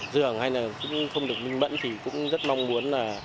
dường hay là cũng không được minh mẫn thì cũng rất mong muốn là